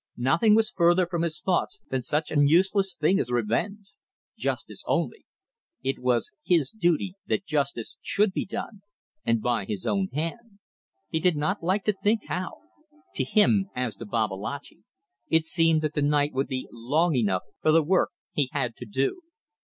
Nothing was further from his thoughts than such an useless thing as revenge. Justice only. It was his duty that justice should be done and by his own hand. He did not like to think how. To him, as to Babalatchi, it seemed that the night would be long enough for the work he had to do.